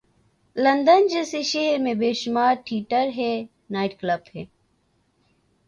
London جیسے شہرمیں بیشمار تھیٹر ہیں‘نائٹ کلب ہیں۔